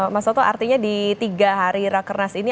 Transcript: mas toto artinya di tiga hari rakernas ini